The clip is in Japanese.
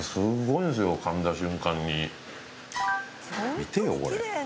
見てよこれ。